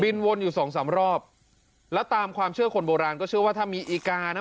วนอยู่สองสามรอบแล้วตามความเชื่อคนโบราณก็เชื่อว่าถ้ามีอีกานะ